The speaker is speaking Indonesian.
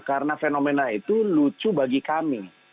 karena fenomena itu lucu bagi kami